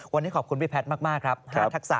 วันนี้ขอบคุณพี่แพทย์มากครับ